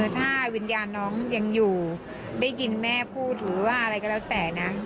ถ้าวิญญาณน้องยังอยู่ได้ยินแม่พูดหรือว่าอะไรก็แล้วแต่นะ